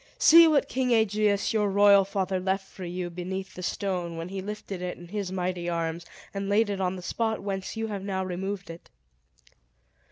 See what King Aegeus, your royal father, left for you beneath the stone, when he lifted it in his mighty arms, and laid it on the spot whence you have now removed it."